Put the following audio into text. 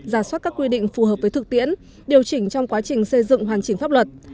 giả soát các quy định phù hợp với thực tiễn điều chỉnh trong quá trình xây dựng hoàn chỉnh pháp luật